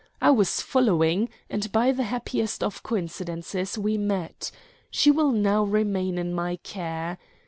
I was following, and by the happiest of coincidences we met. She will now remain in my care.